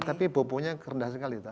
tapi bopo nya rendah sekali